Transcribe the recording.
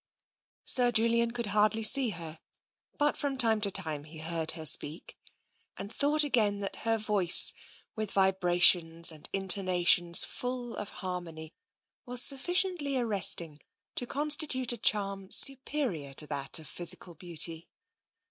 Sir Julian could hardly see her, but from time to time he heard her speak, and thought again that her voice, with vibrations and intonations full of harmony, was TENSION 109 sufficiently arresting to constitute a charm superior to that of physical beauty.